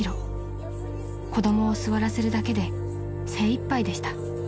［子供を座らせるだけで精いっぱいでした］